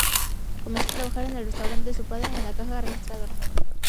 Comenzó a trabajar en el restaurante de su padre, en la caja registradora.